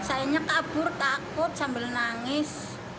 sayangnya kabur takut sambil nangis